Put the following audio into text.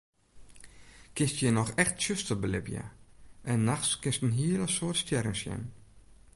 Kinst hjir noch echt tsjuster belibje en nachts kinst in hiel soad stjerren sjen.